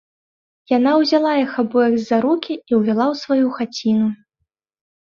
Яна ўзяла іх абоіх за рукі і ўвяла ў сваю хаціну